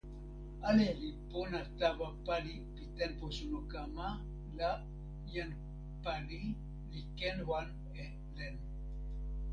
ale li pona tawa pali pi tenpo suno kama la jan pali li ken wan e len.